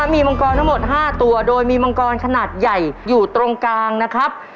มีมังกรทั้งหมด๕ตัวโดยมีมังกรขนาดใหญ่อยู่ตรงกลางนะครับ